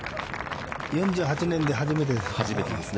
４８年で初めてですか。